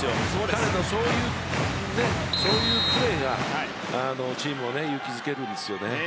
彼のそういうプレーがチームを勇気付けるんですよね。